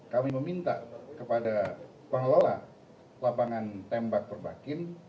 kami meminta kepada pengelola lapangan tembak perbakin